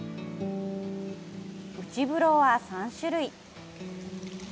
内風呂は３種類。